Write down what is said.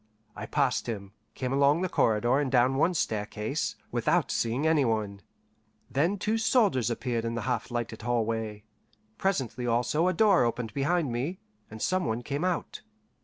I passed him, came along the corridor and down one staircase, without seeing any one; then two soldiers appeared in the half lighted hallway. Presently also a door opened behind me, and some one came out.